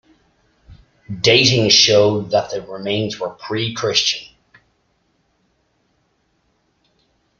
Dating showed that the remains were Pre-Christian.